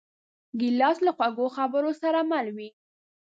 ګیلاس له خوږو خبرو سره مل وي.